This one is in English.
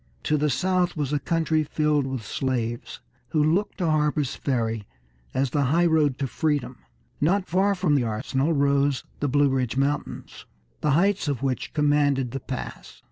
To the south was a country filled with slaves, who looked to Harper's Ferry as the highroad to freedom. Not far from the arsenal rose the Blue Ridge Mountains, the heights of which commanded the pass.